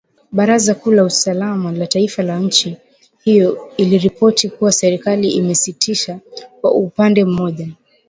baraza kuu la usalama la taifa la nchi hiyo iliripoti kuwa serikali imesitisha kwa upande mmoja